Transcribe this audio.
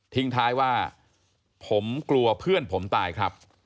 ท้ายว่าผมกลัวเพื่อนผมตายครับ